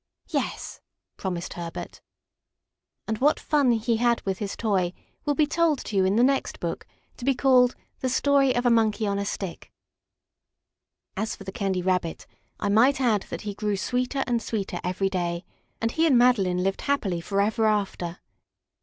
"Yes," promised Herbert. And what fun he had with his toy will be told to you in the next book, to be called: "The Story of a Monkey on a Stick." As for the Candy Rabbit, I might add that he grew sweeter and sweeter each day, and he and Madeline lived happily forever after.